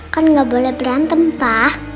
kan gak boleh berantem pa